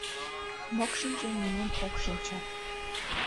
Мокшинче нимом ок шинче.